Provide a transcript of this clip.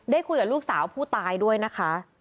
คุยกับลูกสาวผู้ตายด้วยนะคะ